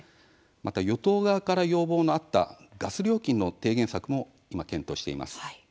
また、与党側から要望のあったガス料金の低減策も今検討しています。